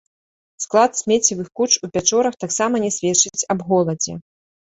Склад смеццевых куч у пячорах таксама не сведчыць аб голадзе.